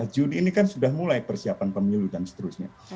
juni ini kan sudah mulai persiapan pemilu dan seterusnya